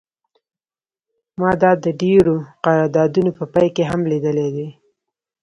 ما دا د ډیرو قراردادونو په پای کې هم لیدلی دی